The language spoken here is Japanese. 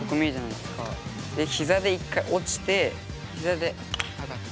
でひざで一回落ちてひざであがって。